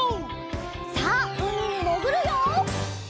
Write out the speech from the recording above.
さあうみにもぐるよ！